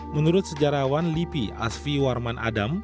menurut sejarawan lipi asfi warman adam